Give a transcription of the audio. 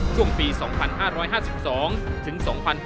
ช่วงปี๒๕๕๒ถึง๒๕๕๙